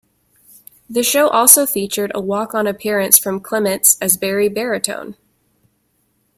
The show also featured a walk on appearance from Clements as Benny Baritone.